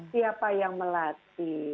siapa yang melatih